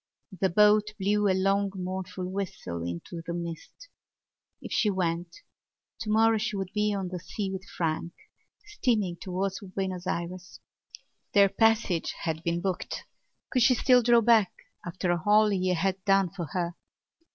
The boat blew a long mournful whistle into the mist. If she went, tomorrow she would be on the sea with Frank, steaming towards Buenos Ayres. Their passage had been booked. Could she still draw back after all he had done for her?